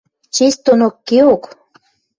– Честь донок кеок...